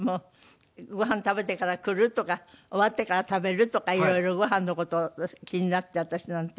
「ご飯食べてから来る？」とか「終わってから食べる？」とか色々ご飯の事気になって私なんて。